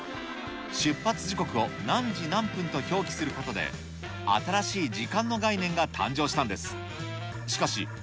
出発時刻を何時何分と表記することで、新しい時間の概念が誕生したんです。